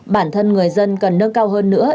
bản thân người dân cần nâng cao hơn nữa